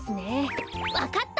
わかった！